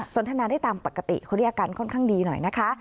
สวนธนาได้ปกติคนนี้อาการค่อนข้างดีหน่อยนะคะ